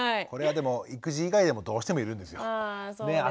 これはでも育児以外でもどうしてもいるんですよ。ね？